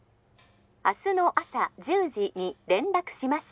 ☎明日の朝１０時に連絡します